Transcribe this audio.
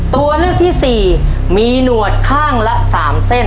ตัวเลือกที่๔มีหนวดข้างละ๓เส้น